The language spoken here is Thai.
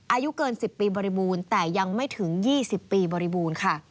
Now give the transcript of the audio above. อายุเกิน๑๐ปีบริบูรณ์แต่ยังไม่ถึง๒๐ปีบริบูรณ์ค่ะ